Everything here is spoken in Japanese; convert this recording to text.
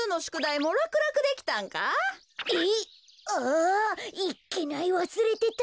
あ！いっけないわすれてた！